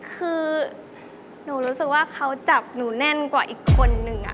คือหนูรู้สึกว่าเขาจับหนูแน่นกว่าอีกคนนึง